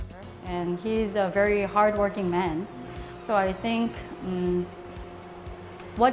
dan dia adalah orang yang sangat bekerja keras